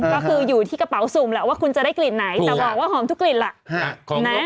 ก็คืออยู่ที่กระเป๋าสุ่มแหละว่าคุณจะได้กลิ่นไหนแต่บอกว่าหอมทุกกลิ่นล่ะ